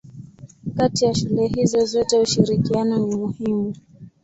Kati ya shule hizo zote ushirikiano ni muhimu.